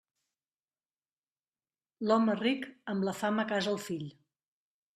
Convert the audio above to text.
L'home ric, amb la fama casa el fill.